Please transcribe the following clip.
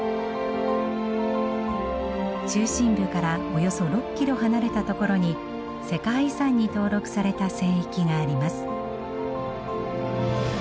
中心部からおよそ６キロ離れた所に世界遺産に登録された聖域があります。